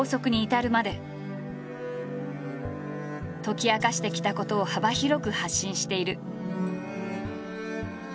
解き明かしてきたことを幅広く発信している。